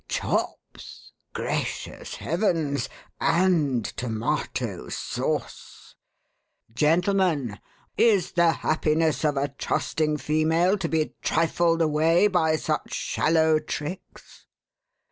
Chops! Gracious Heavens! and Tomato Sauce. Gentlemen, is the happiness of a trusting female to be trifled away by such shallow tricks?